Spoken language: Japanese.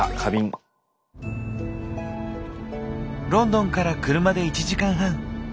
ロンドンから車で１時間半。